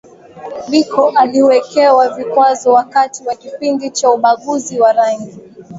Biko aliwekewa vikwazo wakati wa kipindi cha ubaguzi wa rangi